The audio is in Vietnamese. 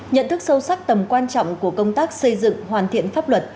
nhận thức sâu sắc tầm quan trọng của công tác xây dựng hoàn thiện pháp luật